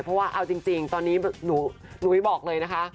เพราะว่าเอาจริงตอนนี้นุ้ยบอกเลยนะคะ